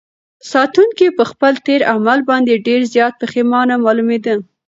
ساتونکي په خپل تېر عمل باندې ډېر زیات پښېمانه معلومېده.